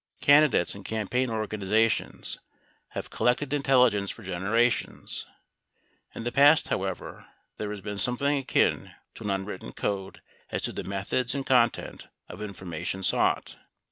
Candidates and campaign organizations have collected intelli ence for generations. In the past, however, there has been something akin to an unwritten code as to the methods and content of informa tion sought.